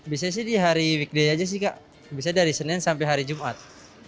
biasanya sih di hari weekday aja sih kak bisa dari senin sampai hari jumat